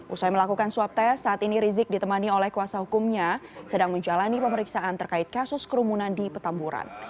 usai melakukan swab tes saat ini rizik ditemani oleh kuasa hukumnya sedang menjalani pemeriksaan terkait kasus kerumunan di petamburan